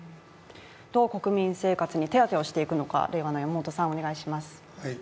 どう国民生活に手当をしていくのか、れいわの山本さん、お願いします。